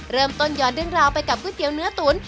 เริ่มต้นย้อนเรื่องราวไปกับก๋วยเตี๋ยวเนื้อตุ๋น